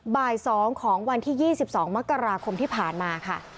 บ่าย๒ของวันที่๒๒มกราคมที่ผ่านมาค่ะ